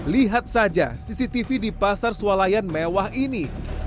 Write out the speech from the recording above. lihat saja cctv di pasar sualayan mewah ini